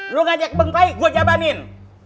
lo ngajak pengkai gue jabanin